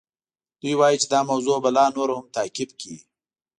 دوی وایي چې دا موضوع به لا نوره هم تعقیب کړي.